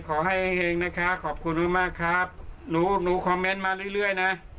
ขอให้เฮงนะคะขอบคุณมากครับหนูหนูคอมเมนต์มาเรื่อยนะ